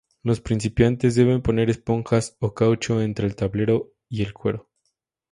Los principiantes deben poner esponjas o caucho entre el tablero y el cuero.